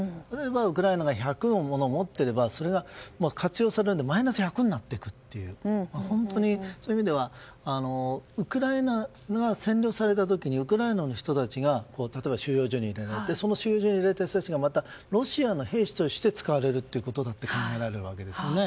ウクライナが１００を持っていればそれが活用されるのでマイナス１００になっていくという本当にそういう意味ではウクライナが占領された時にウクライナの人たちが例えば収容所に入れられてその収容所に入れられた人たちがまたロシアの兵士として使われるということだって考えられるわけですよね。